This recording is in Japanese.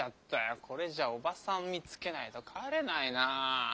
これじゃあおばさんを見つけないと帰れないな。